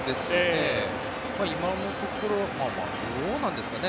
今のところどうなんですかね。